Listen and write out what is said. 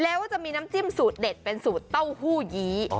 แล้วก็จะมีน้ำจิ้มสูตรเด็ดเป็นสูตรเต้าหู้ยี้